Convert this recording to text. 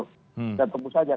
kita tunggu saja